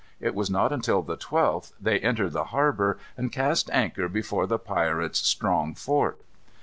It was not until the 12th they entered the harbor and cast anchor before the pirates' strong fort.